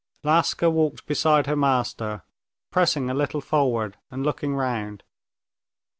Laska walked beside her master, pressing a little forward and looking round.